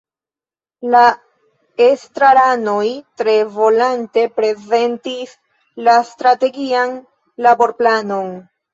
La estraranoj tre volonte prezentis la Strategian Laborplanon.